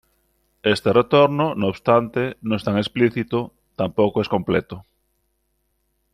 Este retorno, no obstante, no es tan explícito, tampoco es completo.